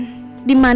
ya ada di atas